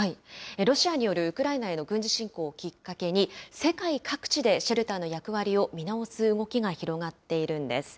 ロシアによるウクライナへの軍事侵攻をきっかけに、世界各地でシェルターの役割を見直す動きが広がっているんです。